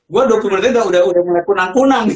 gue dua puluh menit aja udah mulai kunang kunang